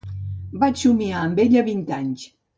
Vaig somiar amb ella vint anys m